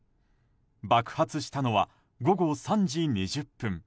爆発したのは午後３時２０分。